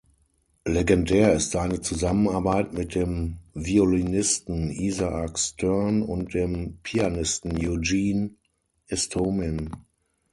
Legendär ist seine Zusammenarbeit mit dem Violinisten Isaac Stern und dem Pianisten Eugene Istomin.